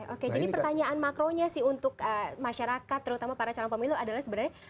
oke jadi pertanyaan makronya sih untuk masyarakat terutama para calon pemilu adalah sebenarnya